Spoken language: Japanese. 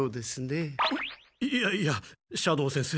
いやいや斜堂先生